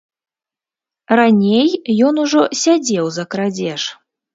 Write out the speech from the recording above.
Раней ён ужо сядзеў за крадзеж.